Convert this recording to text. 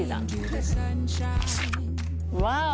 ワオ！